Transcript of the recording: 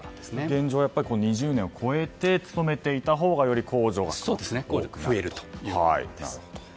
現状、２０年を超えて勤めていたほうがより控除が増えるということですね。